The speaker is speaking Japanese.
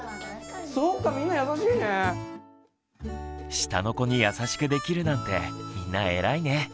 下の子に優しくできるなんてみんなえらいね。